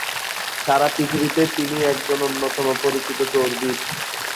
সারা পৃথিবীতে তিনি একজন অন্যতম পরিচিত দৌড়বিদ।